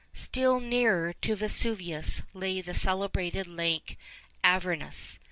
Still nearer to Vesuvius lay the celebrated Lake Avernus.